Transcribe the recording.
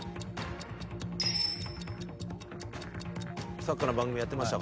サッカーの番組やってましたから。